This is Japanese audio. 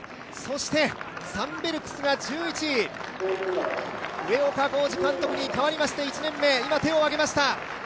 サンベルクスが１１位、上岡宏次監督に変わりまして１年目、今、手を上げました。